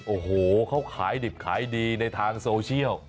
โอ้โหเขาขายดิบขายดีในทางโซเชียล